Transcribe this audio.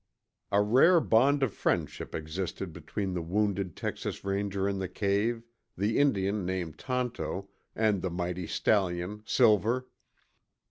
A rare bond of friendship existed between the wounded Texas Ranger in the cave, the Indian named Tonto, and the mighty stallion, Silver.